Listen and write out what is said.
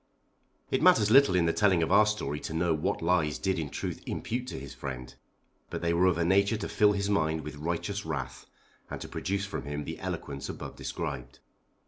It matters little in the telling of our story to know what lies Dick did in truth impute to his friend; but they were of a nature to fill his mind with righteous wrath and to produce from him the eloquence above described.